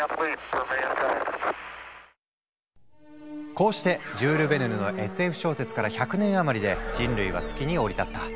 こうしてジュール・ヴェルヌのＳＦ小説から１００年余りで人類は月に降り立った。